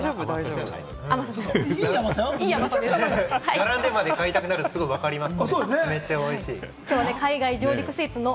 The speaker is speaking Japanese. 並んでまで買いたくなるって分かります。